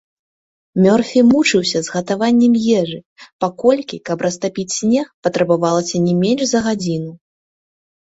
Мёрфі мучыўся з гатаваннем ежы, паколькі, каб растапіць снег, патрабавалася не менш за гадзіну.